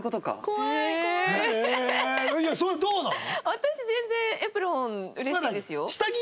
私全然エプロンうれしいですよ。